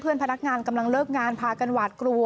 พนักงานกำลังเลิกงานพากันหวาดกลัว